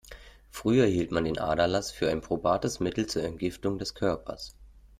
Früher hielt man den Aderlass für ein probates Mittel zur Entgiftung des Körpers.